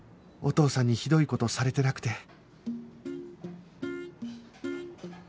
お父さんにひどい事されてなくて